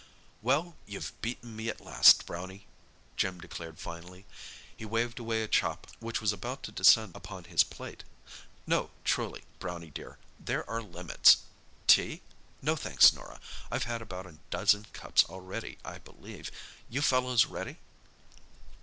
"Well, you've beaten me at last, Brownie," Jim declared finally. He waved away a chop which was about to descend upon his plate. "No truly, Brownie dear; there are limits! Tea? No thanks, Norah, I've had about a dozen cups already, I believe! You fellows ready?"